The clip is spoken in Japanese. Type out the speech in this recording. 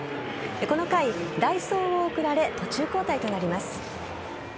この回、代走を送られ途中交代となります。